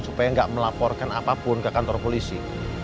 supaya nggak melaporkan apapun ke kantor polisi